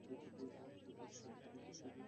তবে তার সেই তামান্না বেশ কিছুদিন পর পূরণ হবে।